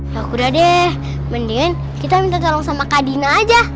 ya udah deh mendingan kita minta tolong sama kak dina aja